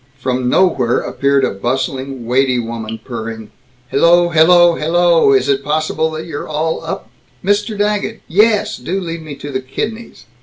From nowhere appeared a bustling weighty woman, purring, "Hello, hello, hello, is it possible that you're all up Mr. Daggett. Yes, do lead me to the kidneys."